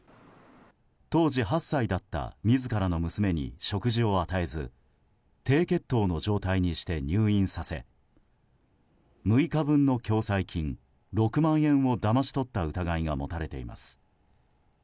当時８歳だった自らの娘に食事を与えず低血糖の状態にして入院させ６日分の共済金６万円をだまし取った疑いが持たれています。